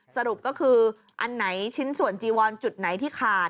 สรุปก็คืออันไหนชิ้นส่วนจีวอนจุดไหนที่ขาด